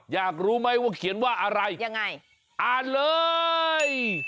อยากรู้ไหมว่าเขียนว่าอะไรอ่านเลยอยากรู้ไหมว่าเขียนว่าอะไรอ่านเลย